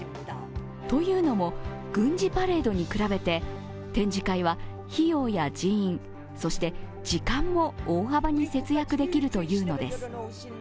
というのも、軍事パレードに比べて展示会は費用や人員、そして時間も大幅に節約できるというのです。